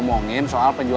kangen sama biaya